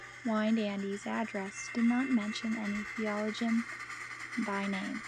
Weinandy's address did not mention any theologian by name.